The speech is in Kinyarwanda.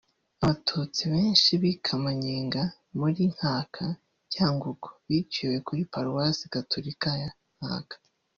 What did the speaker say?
Abatutsi benshi b’ i Kamanyenga muri Nkanka (Cyangugu) biciwe kuri Paruwasi Gatulika ya Nkanka